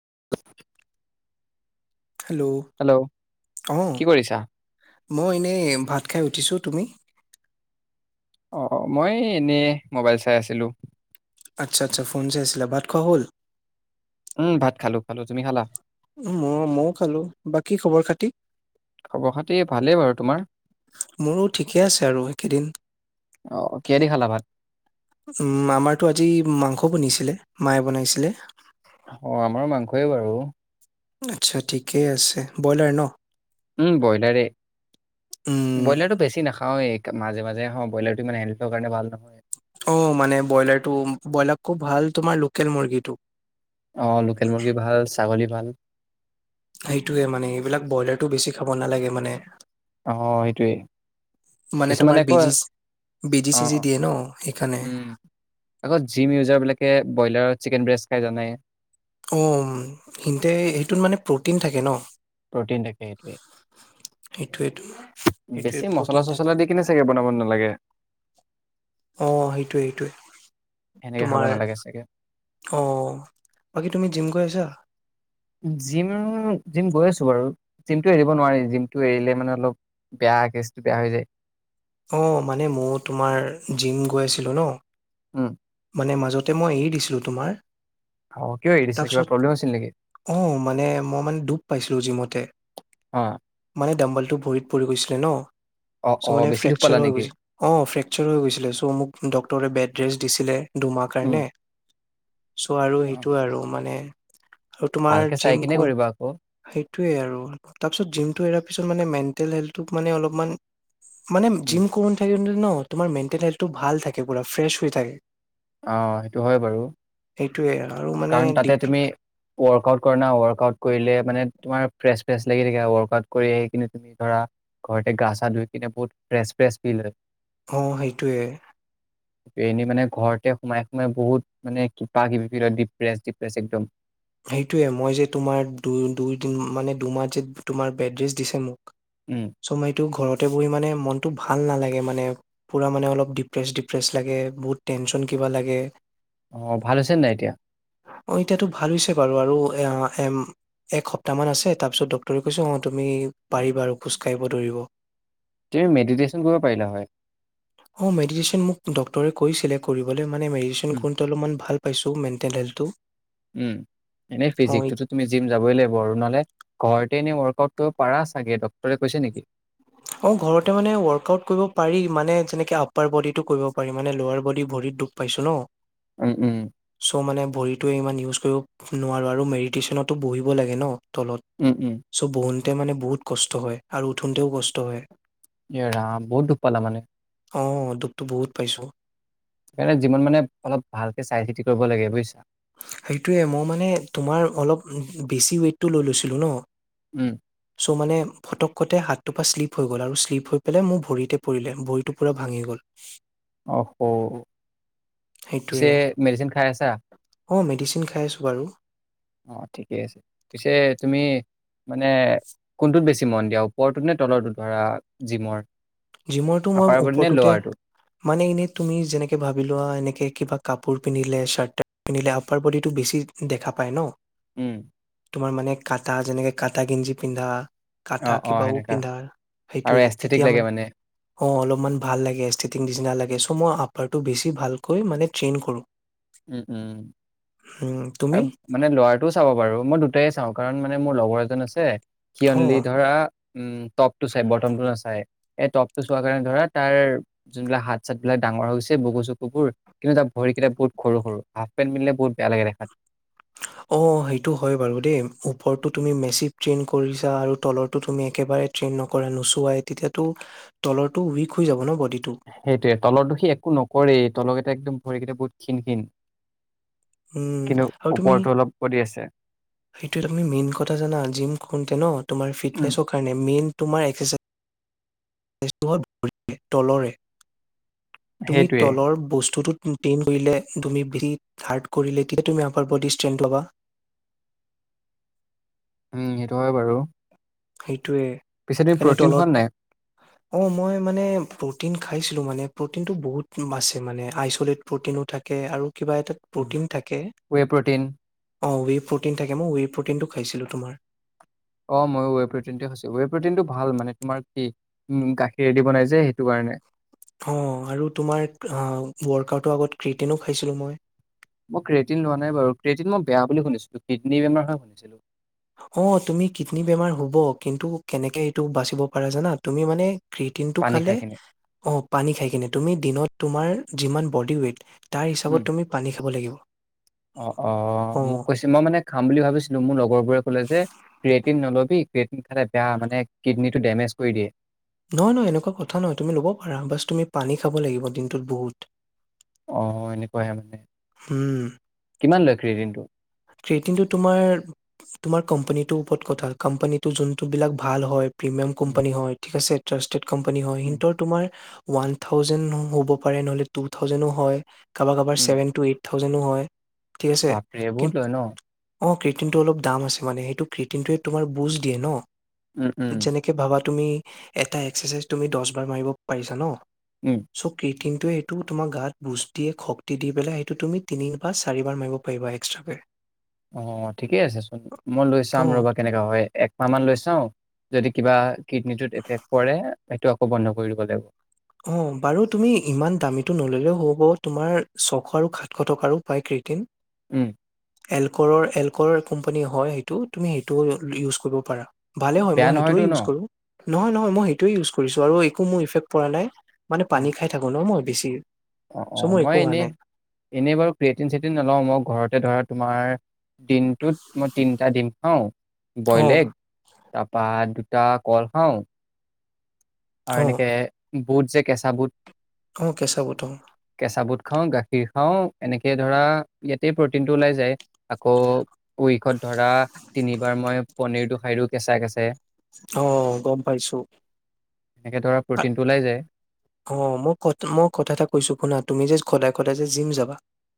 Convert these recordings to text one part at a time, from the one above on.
[unintelligible] Hello hello অ। কি কৰিছা? মই এনেই ভাত খাই উঠিছোঁ তুমি। অ মই এনেই, মোবাইল চাই আছিলোঁ, আচ্ছা আচ্ছা ফোন চাইছিলা ভাত খোৱা হ'ল? উম ভাত খালো, খালো তুমি খালা। মই মইও খালো বা কি খবৰ খাতি খবৰ খাতি ভালেই বাৰু তোমাৰ? মোৰো ঠিকে আছে আৰু একেদিন অ কিহেদি খালা ভাত? উম আমাৰতো আজি মাংস বনিছিলে। মায়ে বনাইছিলে। অ, আমাৰো মাংসই বাৰু আচ্ছা ঠিকেই আছে ব্ৰইলাৰ ন? উম ব্ৰইলাৰে, উম ব্ৰইলাৰটো বেছি নাখাওৱে মাজে মাজে হ ব্ৰইলাৰটো মানে, হেল্থৰ কাৰণে ভাল নহয়। অ মানে ব্ৰইলাৰ টো ব্ৰইলাৰকু ভাল তোমাৰ লোকেল মুৰ্গীটো অ লোকেল মুৰ্গী ভাল ছাগলী। ভাল। সেইটোয়ে মানে এইবিলাক ব্ৰইলাৰটো বেছি খাব নালাগে মানে। অ সেইটোৱেই মানে তোমাৰ কিছুমানে আকৌ বেজি বেজি অ চেজি অ দিয়ে ন সেইকাৰণে আকৌ জিম ইউজাৰ বিলাকে চি [unintelligible] কেন ব্ৰেষ্ট তাখিছাল অ সিনতে সেইটোত মানে প্ৰটিন থাকে ন? প্ৰটিন থাকে সেইটোৱেটো এইটোৱেই সেইটোৱে বেছি প্ৰটিন মচলা থাকে চচলা দি কিনে চাগে বনাব নালাগে‌? অ সেইটোৱে সেইটোৱে সেনেকে খাব তোমাৰ নালাগে চাগে। অ বাকী তুমি জিম গৈ আছা জিম জিম গৈ আছো বাৰু জিমটো এৰিব নোৱাৰি জিমটো এৰিলে মানে অলপ বেয়া কেচটো বেয়া হৈ যায়। অঁ মানে মইও‌ তোমাৰ জিম গৈ আছিলোঁ ন - উম মানে মাজতে মই এৰি দিছিলোঁ তোমাৰ অ কিয় এৰি দিছিলা কিবা তাৰপিছত প্ৰব্লেম হৈছিল নেকি অ মানে মই মানে দুখ পাইছিলো জিমতে অ মানে দম্বল টো ভৰিত পৰি গৈছিলে ন, অ চ' অ মানে বেছি দুখ পালা ফ্ৰেকচাৰ হৈ নেকি গৈছিল, অ ফেক্সাৰ হৈ গৈছিলে চৌ মোক ডক্টৰে বেড এড্ৰেছ দিছিলে দুমাহ উম কাৰণে চ' আৰু অ সেইটো আৰু মানে আৰু তোমাৰ ভালকে চাই জিম কিনে কোন কৰিবা আকৌ সেইটোয়ে আৰু তাৰপিছত জিমটো এ পিছত মানে মেন্তেলহেল্ডটোক মানে অলপমান মানে উম জিম কোন ঠাইত নো? ন তোমাৰ মেটেল হেল্থটো ভাল থাকে পুৰা ফ্ৰেছ হৈ থাকে। অ সেইটো হয় বাৰু এইটোৱেই আ কাৰণ তাতে তুমি ৱৰ্কআউট কৰা না ৱৰ্কআউট কৰিলে মানে তোমাৰ ফ্ৰেছ ফ্ৰেছ লাগি থাকে ৱৰ্কআউট কৰি আহি কিনে তুমি ধৰা ঘৰতে গা চা ধুই কিনে বহুত ফ্ৰেছ ফ্ৰেছ ফিল হয়। অ সেইটোৱে এনেই মানে ঘৰতে সোমাই সোমাই বহুত মানে কিবা কিবি [unintelligible] প্ৰেছ ডি প্ৰেছ একদম সেইটোৱে মই যে তোমাৰ দু দুইদিন মানে দুমাহ যে তোমাৰ বেড্ৰেছ দিছে মোক উম চমাইটো ঘৰত যৰতে বহি মানে মনটো ভাল নালাগে মানে পূৰা মানে অলপ ডিপ্ৰেছ ডিপ্ৰেছ লাগে বহুত টেনচন কিবা লাগে। অহ ভাল হৈছে নাই এতিয়া? অ এতিয়াতো ভাল হৈছে বাৰু আৰু একসপ্তাহমান আছে তাৰপিছত ডক্টৰে কৈছে অঁ তুমি পাৰিবা আৰু খোজকাাঢ়িব দৰিব। তেওঁ মেডিটেশ্যন কৰিব পাৰিলে হয় অ', মেডিটেশ্যন মোক ডক্টৰে কৈছিলে কৰিব মানে মেৰিচন উম, অলপমান ভাল [unintelligible] পাইছোঁ মেণ্টেল হেল্থটো উম এনেই অ', ইত ফিজিকটোতো তুমি জিম যাবই লাগিব আৰু নহলে ঘৰতে এনেই ৱৰ্কআউট কৰিব পাৰা চাগে ডক্টৰে কৈছে নেকি। অ ঘৰতে মানে ৱৰ্কআউট কৰিব পাৰি। মানে যেনেকে আপাৰ বডীটো কৰিব পাৰি। মানে লোৱাৰ বডী ভৰিত দুখ পাইছো ন। উম উম চ' মানে ভৰিটোৱে ইমান ইউজ কৰিব নোৱাৰো আৰু মেডিটেশচনতো বহিব লাগে ন। উম, উম। তলত চ' বহোতে মানে বহুত কষ্ট হয়। আৰু উঠোতেও কচ তইয় এৰাম বহুত দুখ পালা মানে। অ দুখটো বহুত পাইছোঁ। এনে যিমান মানে অলপ ভালকে চাই চিতি কৰিব লাগে বুইছা। সেইটোৱে মই মানে তোমাৰ অলপ বেছি ওৱেটটো লৈ লৈছিলোঁ ন। উম, চ' মানে ফটককতে হাত তো পা শ্লিপ হৈ গ'ল আৰু শ্লিপ হৈ পেলাই মোৰ ভৰিতে পৰিলে ভৰিটো পুৰা ভাঙি গ'ল। অ স সেইটোয়ে পিছে মেডিচেন খাইছা। অ মেডিচিন খাই আছোঁ বাৰু। অ ঠিকে আছে পিছে তুমি মানে কোনটোত বেছি মন দিয়া ওপৰটোত নে তলৰটো ধৰা জিমৰ। জিমৰটো মই আপাৰ বডি নে ওপৰটোতে লৱাৰটো? মানে এনে তুমি যেনেকে ভাবি লোৱা এনেকে কিবা। কাপোৰ পিন্ধিলে শ্বাৰ্ট টাৰ্ট পিন্ধিলে আপাৰ বডিটো বেছি দেখা পায় ন। উম তোমাৰ মানে কাটা যেনেকে কাটা গেঞ্জি পিন্ধা। কাঠা অ', অ' কিবাও সেনেকা পিন্ধা আৰু সেইটোয়ে এস্থেটিক তেতিয়া লাগে মানে। অ অলপমান ভাল লাগে এষ্টিটিং ডিচিনা লাগে চ' মই আপাৰটো বেছি ভালকৈ মানে ট্ৰেইন কৰোঁ। উম উম উম, তুমি আৰু মানে ল'ৰাটো চাব পাৰু মই দুটাই চাওঁ। কাৰণ মানে মোৰ লগৰ এজন আছে। অ কিয়নলি ধৰা। উম টপ টো চাই বটম টো নাচাই এই টপ টো চোৱাৰ কাৰণে ধৰা তাৰ যোনবিলাক হাত চাতবিলাক ডাঙৰ হৈ গৈছে বুকু চুকুবোৰ কিন্তু তাৰ ভৰিকেইটা বহুত। সৰু সৰু হাফ পেন্ট পিন্ধিলে বহুত বেয়া লাগে দেখাত। অ সেইটো হয় বাৰু দেই ওপৰতো তুমি মেচি ট্ৰেইন কৰিছা আৰু তলৰটো তুমি একেবাৰে ট্ৰেইন নকৰা নোচোৱাই তেতিয়াতো তলৰটো উইক হৈ যাব ন বডি। সেইটোয়ে তলৰটো সি একো নকৰেই তলৰ কিটা একদম ভৰিকেইটা বহুত ক্ষীণ ক্ষীণ উম কিন্তু আৰু তুমি ওপৰতো অলপ বডি আছে সেইটো তুমি মেইন কথা জানা জিম কৰোতে ন তোমাৰ উম, ফিটনেচৰ কাৰণে মেইন। তোমাৰ এক্স চাইজ তেজ তোমাৰ ভৰিৰ তলৰে তুমি সেইটোৱে তলৰ বস্তুটো তুমি টেইন কৰিলে তুমি বিলিড হাৰ্ড কৰিলে কিন্তু তুমি আমাৰ বডি ষ্ট্ৰেন্থ ল'বা। উম সেইটো হয় বাৰু। সেই টোৱে পিছে তুমি সেইকাৰণে প্ৰটিন খোৱা নে তলত নাই অ মই মানে প্ৰ'টিন। খাইছিলো মানে প্ৰ'টিন টো বহুত আছে মানে আইচলেট প্ৰ'টিনো থাকে আৰু? কিবা এ প্ৰ'টিন থাকে ৱে প্ৰটিন অ উ প্ৰ থাকে ম উ। টিনটো খাইছিলো তোমাৰ? অ। মই ৱ প্ৰো ৱে প্ৰিনটো ভালানে তোমাৰ? কি উম গাখীৰৰেদি বনাই যে সেইটো কাৰণে? অ আৰু তোমাৰ ৱৰ্কআউটৰ আগত ক্ৰিটেইনো খাইছিলো মই। মই ক্ৰেটিন লোৱা নাই বাৰু ক্ৰেটিন মই বেয়া বুলি শুনিছিলো কিডনী বেমাৰ হয় শুনিছিলো? অ তুমি কিডনী বেমাৰ হব কিন্তু কেনেকে এইটো বাচিব পাৰা জানা তুমি মানে? ক্ৰিমটো পানী খালে খাই কিনে অ পানী খাই কিনে তুমি দিনত? তোমাৰ যিমান বডি ৱেইট। তাৰ উম হিচাপত তুমি পানী খাব লাগিব? অ অ অ মোক কৈছে মই মানে? খাম বুলি ভাবিছিলো, মোৰ লগৰ বোৰে ক'লে, যে', ক্ৰেটিন নলবি, ক্ৰটিন খালে বেয়া মানে কিডনটো ডেমেজ কৰি দিয়ে। নহয়', - নহয়', এনেকুৱা কথা নহয়। তুমি ল'ব পাৰা বাছ তুমি পানী খাব লাগিব দিনটোত বহুত। আহ ', এনেকুৱাহে মানে? কিমান লৈ খ্ৰী দিনটো। ক্ৰেটিনটো তোমাৰ', -তোমাৰ', কোম্পানীটোৰ ওপৰত কথা। কোম্পানীটো যোনটোবিলাক ভাল হয়। প্ৰিমিয়াম উম কোম্পানী হয় ঠিক আছ?, জাষ্টতে। কোম্পানী হয় উম সিহতৰ তোমাৰ। ওৱান থাউজেণ্ড হ'ব পাৰে নহলে টু থাউজেণ্ডো হয়। কাবাৰ', - কাবাৰ', উম চেভেন-টো-এইথ। যেনো হয়। ঠিক আছে। হয় ন। অ', ক্ৰেটিংটো অলপ দাম আছে মানে সেইটো ক্ৰেটিংটোৱে তোমাৰ বুজ দিয়ে উম উম ন। যেনেকে ভাবাত তুমি', এটা এক্সাৰচাইজ তুমি', দচ বাৰ মাৰিব পাৰিছা ন। উম চক কে। ত', ইেইটো তোমাৰ গাত বুজ দিয়ে, শক্তি দি পেলাই সেইটো তুমি তিনি বা চাৰি বাৰ মাৰিব পাৰিবা। [unintelligible] [unintelligible] অ', ঠিকেই আছেচোন মই', লৈ চাম অ'। ৰ'বা কেনেকা হয়', একমাহ মান লৈ চাওঁ? যদি কিবা কিডনীটোত এফেক্ট পৰে, সেইটো আকৌ বন্ধ কৰি দিব লাগিব। অ', বাৰু তুমি ইমান দামীটো নললেও হ'ব। তোমাৰ ছশ আৰু সাতশ টকাৰো পায় ক্ৰেটিং। উম', এলকৰৰ-এলকৰ কোম্পানী হয়, সেইটো তুমি সেইটোও ইউজ কৰিব পাৰা। ভালে হয়', বেয়া মই, সেইটোৱে নহয়তো ন? ইউজ কৰোঁ। নহয়', - নহয়', মই সেইটোৱে ইউজ কৰিছোঁ, আৰু একো মোৰ ইফেক্ট পৰা নাই। মানে পানী খাই থাকো ন', মই, বেছি, অ', চ' -অ', মোৰ মই, একো হোৱা নাই। এনেই-এনেই বাৰু ক্ৰিয়েটিন সৃতিন নলওঁ মোক, ঘৰতে ধৰা তোমাৰ, দিনটোত মই তিনিটা দিম। অ। অ', বয়লেগ। তাৰপা দুটা কল খাও। আৰু অ', এনেকে। বহু যে কেঁচা বুট। অ কেঁচা বুট। কেঁচা বুট খাওঁ গাখীৰ খাওঁ এনেকে ধৰা ইয়াতেই প্ৰটিনটো ওলাই যায় আকৌ উইকত ধৰা তিনিবাৰ মই পনীৰটো খাই দিও‌ কেঁচা কেঁচা। আহ গম পাইছোঁ। এনেকে ধৰা আ প্ৰটিনটো ওলাই যায়। অ মই ক মই কথা এটা কৈছোঁ শুনা তুমি যে সদায় সদায় যে জিম যাবা।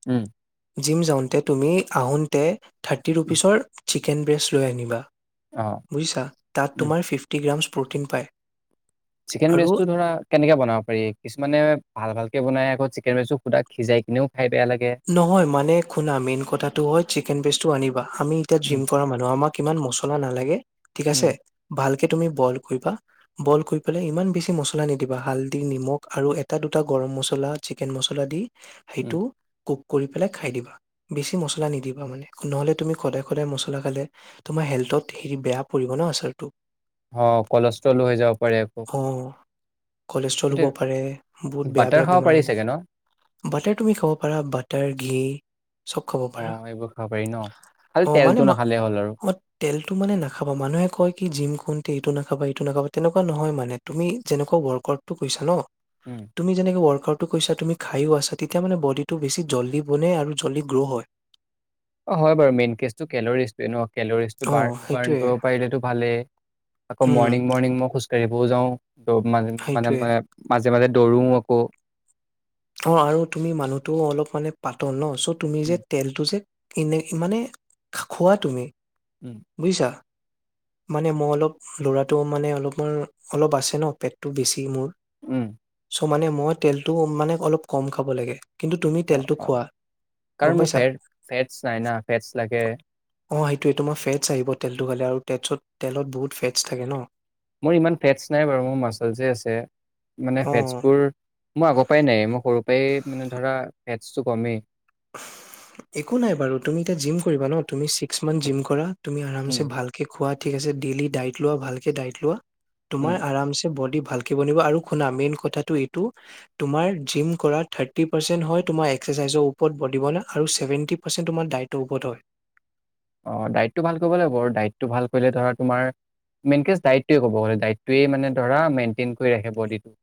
উম। জিম যাওঁতে তুমি আহোঁতে। থাৰ্টি ৰুপিচৰ। চিকেন ব্ৰেষ্ট লৈ আহ নিবা। অ', বুইছা তাত উম। তোমাৰ ফিফটি গ্ৰাম। প্ৰ'টিন পায়। চিকেন আৰু ব্ৰেচটো ধৰা কেনেকে বনাব। পাৰি কিছুমানে ভাল ভালকে বনাই আকৌ চিকেন মজু সিজাই কিনেও। খাই বেয়া লাগে। নহয় মানে শুনা মেইন কথাটো হয় চিকেন পেষ্টটো আনিবা আমি এতিয়া জিম উম, কৰা মানুহ আমাক ইমান মছলা নালাগে। ঠিক উম, আছে ভাল। তুমি বইল কৰিবা বইল কৰি পেলাই ইমান বেছি মছলা নিদিবা হালদি নিমখ আৰু এটা দুটা গৰম মছলা চিকেন মছলা দি উম। সেইটো। কুক কৰি পেলাই খাই দিবা বেছি মছলা নিদিবা মানে নহ'লে তুমি সদায় সদায় মছলা খালে তোমাৰ হেল্থত হেৰি বেয়া পৰিব ন আচাৰটো অ কলেষ্ট্ৰলো হৈ যাব পাৰি আকৌ অ কলেষ্ট্ৰল এইটো হ'ব পাৰে বহুত বেয়া বাটাৰ বেয়া খাব বেমাৰ পাৰি হ'ব চাগে ন? বাটাৰ তুমি খাব। বাটাৰ ঘি চব খাব পাৰা অ', এইবোৰ খাব পাৰি ন? খালি মানে তেলটো নাখালে হ'ল আৰু। তেলটো নাখাবা মানুহে কয় কি। এইটো নাখাবা এইটো নাব তেনেকুৱা নহয় মানে তুমি যেনেকুৱা ৱৰ্ক আউট টো কৰিছা ন। উম। তুমি যেনেকে ৱৰ্ক। কৈছা তুমি খায়য়ো আছা তেতিয়া মানে বডি। টো বেছি জল্দি বনে আৰু জল্দি গ্ৰ' হয়। অ হয় বাৰু মেইন কেচটো কেলৰিজোৱে নেলৰিজটো অ' সেইটোৱে। বাৰ্ণ কৰিব পাৰিলেতটো ভালেই। আকৌ উম, মৰ্ণিং মৰ্ণিং মই খোজঢ়ো। কাঢ়িব যাওঁ। মান মানে সেইটোৱে। মই যে মাজে দৌৰো আকৌ অ আৰু তুমি মানুহটো অলপ মানে পাতল ন চত, তুমি যে উম, তেলটো যে এনে মানে খোৱা তুমি? উম। বুজিছা? মানে মই অলপ ল'ৰাটো মানে অলপ মই অলপ আছে ন পেটটো বেছি মোৰ। উম চ' মানে মই তেলটো মানে অলপ কম খাব লাগে। কিন্তু তুমি অ তেলটো অ খোৱা, গম কাৰণ মোৰ পাইছা? ফেৰ ফেটছ নাই না ফেটচ লাগে। অ সেইটোৱে তোমাৰ ফেটছ আহিব তেলটো খালে আৰু তেছত তেলত বহুত ফেটছ থাকে ন মোৰ ইমান ফেটছ নাই বাৰু মোৰ মাচলছে আছে মানে অ' ফেটছবোৰ মোৰ আগৰ পৰাই নাই। মোক সৰুৰ পৰাই মানে ধৰা ফেটছটো কমেই। একো নাই বাৰু, তুমি এতিয়া জিম কৰিবা ন তুমি ছিক্স মান্থ জিম কৰা তুমি আৰাম ছে উম, ভালকে খোৱাাত ঠিক আছে ডেইলি ডাইট লোৱা, ভালকে ডাইট লোৱা। তোমাৰ উম, আৰামছে বডি ভালকে বনাবা আৰু শুনা মেইন কথাটো এইটো, তোমাৰ জিম কৰা ৰ্থাটি পাৰচেন হয় তোমাৰ একচেচাইজৰ ওপৰত। ওপৰত বডি বনাবলে আৰু ছেভেণ্টি পাৰ্চেণ্ট তোমাৰ দাইদ ওপত হয়। অ দাইটটো ভাল কৰিব লাগিব আৰু ডাইটটো ভাল কৰিলে ধৰা তোমাৰ মেইনক ডটটোৱে কব গ'লে দইটোৱে মানে ধৰা মেইনটেইন কৰি ৰাখে বডিটো।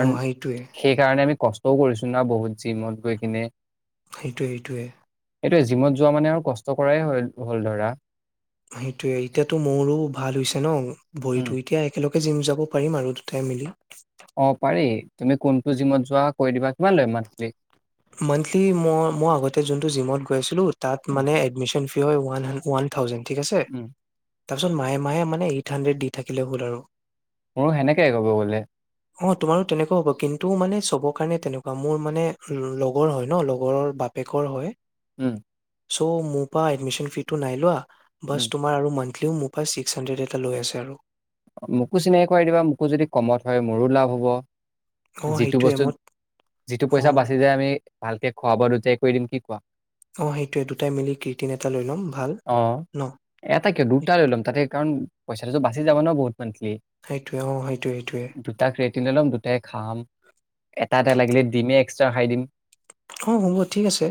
অ' সেইটোৱে, সেইকাৰণে আমি কষ্ট। ত কৰিছো না বহুত জিমত গৈ কিনে- সেইটো সেইটোৱে এতিয়া জিমত যোৱা মানে আৰু কষ্ট কৰাই হ'ল। হল ধৰা সেইটোয়ে এতিয়াতো মোৰো ভাল হৈছে ন! উম, ভৰিটো এতিয়া একেলগে জিম যাব পাৰিম আৰু দুটাই মিলি। অ পাৰি তুমি কোনটো জিমত যোৱা কৈ দিবা, কিমান লৈ মান্থেলি? মান্থেলি মই মই আগতে যোনটো জিমত গৈছিলোঁ তাত উম, মানে এডমিচন বিও ওৱান হান্দেট, ওৱান থাউজেণ্ড ঠিক আছে। উম। তাৰপিছত মাহে -মাহে মানে এইট হাণ্ড্ৰেড দি থাকিলে হ'ল আৰু মোৰ সেনেকে ক'ব গ'লে অ তোমাৰো তেনেকুৱাও হ'ব, কিন্তু মানে চবৰ কাৰণে তেনেকুৱা মোৰ মানে লগৰ হয় ন, লগৰৰ বাপেকৰ হয়। উম চ' মোৰ পৰা এডমিশন ফিছ, টো নাই লোৱা। বাছ উম। তোমাৰ আৰু মনন্থেলি তেওঁ মোৰ পৰা ছিক্স হাণ্ড্ৰেড এটা লৈ আছে আৰু মোকো চিনাকি কৰাই দিবা, মোকো যদি কমত হয় মোৰো লাভ অ হ'ব। যিটো সেইটোৱে বস্তু, মই যিটো অ পইচা বাচি যায় আমি ভালকে খোৱা বোৱা দুটাই কৰি দিম কি কোৱা? অ সেইটোৱে দুটাই মিলি ক্ৰিটিন এটা লৈ ল'ম ভাল অ ন এটা কিয় দুটা লৈ ল'ম, তাতে কাৰণ পইচাটোতো বাচি যাব ন বহুত। মান্থলি। সেইটোৱে, অ সেইটোৱে, সেইটোৱে কেৰ্টিনে লম দুটাই খাম এটা, এটা লাগিলে দিমে এক্সট্ৰা খাই দিম। অ হ'ব ঠিক আছে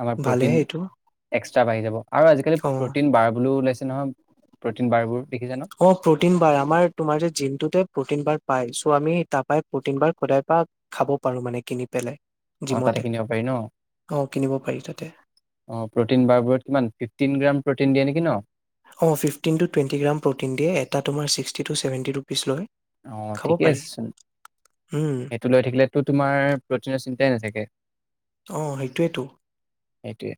আমাৰ প্ৰটিন ভালেহে এইটো এক্সট্ৰা বাঢ়ি যাব, আৰু আজিকালি অ প্ৰটিনবাৰ বুলিও ওলাইছে নহয় প্ৰটিনবাৰবোৰ অ প্ৰ'টিনবাৰ আমাৰ তোমাৰ যে জিমটোতে প্ৰ'টিন বাৰ পাই, চ' আমি তাৰপৰাই প্ৰ'টিন বাৰ সদাই পাওঁ খাব পাৰো মানে কিনি পেলাই। অ তাতে জিমতে কিনিব পাৰি ন, অ কিনিব পাৰি তাতে অ প্ৰ'টিন বাৰ বোৰত কিমান ফিফটিন গ্ৰাম প্ৰ'টিন দিয়ে নেকি ন? অ fifteen to twenty gram protein দিয়ে, এটা তোমাৰ ছিক্সটি টু চেভেনটি ৰুপিচ লয়। অ খাব ঠিকে পাৰি আছে চোন, উম সেইটো লৈ থাকিলেতো তোমাৰ প্ৰটিনৰ চিন্তাই নাথাকে। কে [unintelligible] অ সেইটোৱেতো সেইটোৱে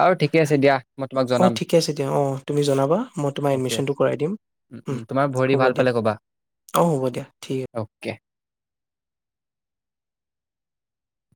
বাৰু ঠিকে আছে দিয়া, মই তোমাক অ জনাম ঠিকে আছে দিয়া অ তুমি জনাবা মই তোমাৰ অকে এডমিশ্যনটো কৰাই দিম উম উম তোমাৰ ভৰি হ'ব ভাল দিয়া পালে কবা। অ হ'ব দিয়া ঠিক আছে। অকে।